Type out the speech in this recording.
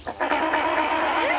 えっ！